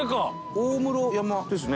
大室山ですね。